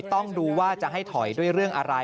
ต้องดูว่าจะให้ถอยด้วยเรื่องอะไร